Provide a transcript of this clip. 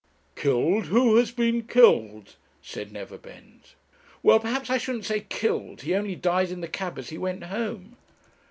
'Killed! who has been killed?' said Neverbend. 'Well, perhaps I shouldn't say killed. He only died in the cab as he went home.'